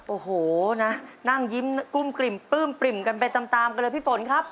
โอ้โหนะนั่งยิ้มกลุ้มกลิ่มปลื้มปริ่มกันไปตามกันเลยพี่ฝนครับ